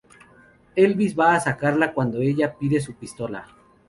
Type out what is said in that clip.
Elvis va a sacarla cuando ella le pide su pistola.